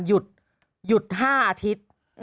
หยุด๕อาทิตย์